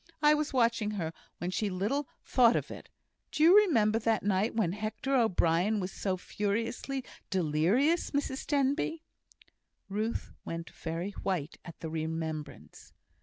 I was watching her when she little thought it. Do you remember that night when Hector O'Brien was so furiously delirious, Mrs Denbigh?" Ruth went very white at the remembrance.